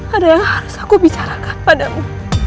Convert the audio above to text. ada yang harus aku bicarakan padamu